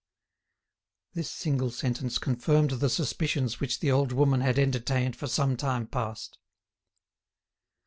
This single sentence confirmed the suspicions which the old woman had entertained for some time past.